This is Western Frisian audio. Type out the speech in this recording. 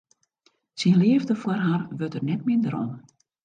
Syn leafde foar har wurdt der net minder om.